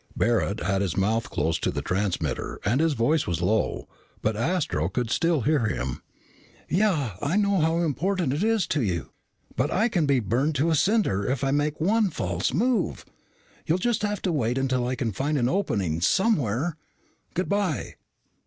Barret had his mouth close to the transmitter and his voice was low, but Astro could still hear him. "Yeah, I know how important it is to you, but I can be burned to a cinder if I make one false move. You'll just have to wait until I find an opening somewhere. Good by!"